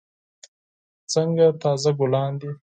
څنګه تازه ګلان دي.